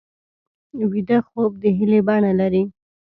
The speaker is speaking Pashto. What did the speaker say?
ویده خوب د هیلې بڼه لري